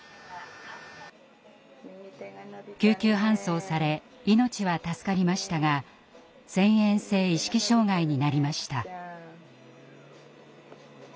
救急搬送され命は助かりましたが遷延性意識障害になりました。